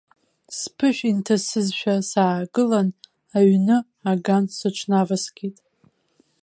Сԥышә инҭасызшәа саагылан, аҩны аган сыҽнаваскит.